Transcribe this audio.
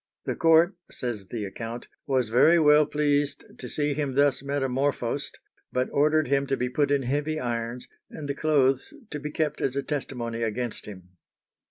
"The court," says the account, "was very well pleased to see him thus metamorphosed, but ordered him to be put in heavy irons, and the clothes to be kept as a testimony against him."